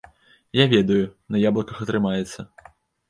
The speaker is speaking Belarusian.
Я ведаю, на яблыках атрымаецца.